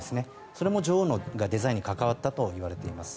それも女王がデザインに関わったといわれています。